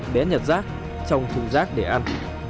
bé nhặt rác trong thùng rác để ăn